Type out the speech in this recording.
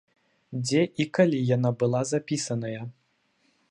Дзе і калі яна была запісаная?